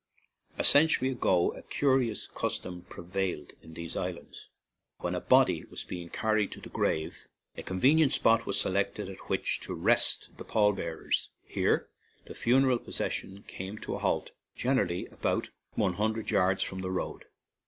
A century ago a curious custom prevailed in these islands. When a body was being carried to the grave, a convenient spot was selected at which to rest the pall bear ers; here the funeral procession came to a halt, generally about one hundred yards from the road.